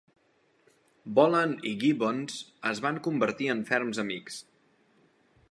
Bolland i Gibbons es van convertir en ferms amics.